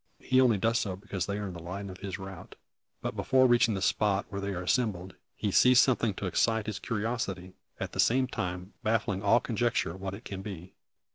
He only does so because they are in the line of his route. But before reaching the spot where they are assembled, he sees something to excite his curiosity, at the same time, baffling all conjecture what it can be.